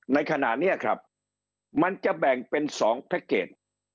ในขณะนี้ครับมันจะแบ่งเป็น๒แพ็คเกจ